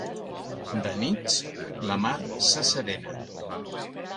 De nits, la mar s'asserena.